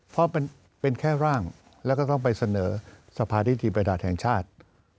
เพราะเป็นแค่ร่างแล้วก็ต้องไปเสนอสภานิติประดาษแห่งชาติ